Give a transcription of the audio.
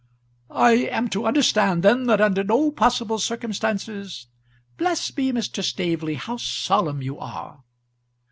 "I am to understand then that under no possible circumstances " "Bless me, Mr. Staveley, how solemn you are."